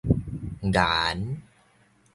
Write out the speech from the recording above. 顏